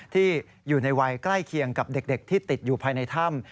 ที่อยู่ในวัยใกล้เคียงกับเด็กที่ติดอยู่ภายในถ้ำ